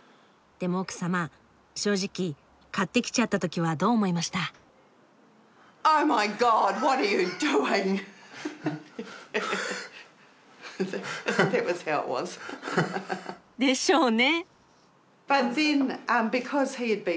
でも奥様正直買ってきちゃったときはどう思いました？でしょうね。